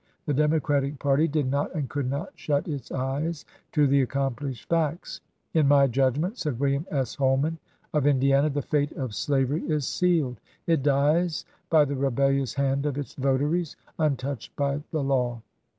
The Democratic party did not and could not shut its eyes to the accomplished facts. " In my judgment," said William S. Holman of Indiana, "the fate of slavery is sealed. It dies by the rebellious hand of its votaries, untouched by the law.